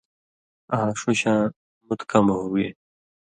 آں ݜُو شاں مُت کمہۡ ہُوگے۔